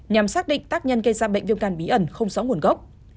nhằm xác định tác nhân gây ra bệnh viêm gan bí ẩn không rõ nguồn gốc